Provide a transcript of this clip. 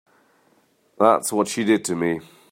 That's what she did to me.